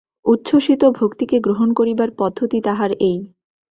উচ্ছসিত ভক্তিকে গ্রহণ করিবার পদ্ধতি তাহার এই!